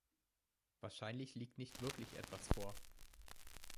Wahrscheinlich liegt nicht wirklich etwas vor.